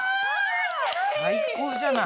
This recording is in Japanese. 最高じゃない。